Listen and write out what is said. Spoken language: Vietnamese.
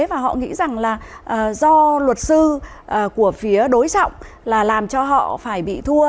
và họ nghĩ rằng là do luật sư của phía đối trọng là làm cho họ phải bị thua